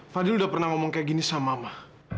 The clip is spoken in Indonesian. fadl udah pernah kayak gini sama mama